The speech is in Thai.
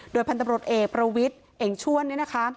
โดยพันธบรตเอกประวิทเองชวนเนี่ยนะคะ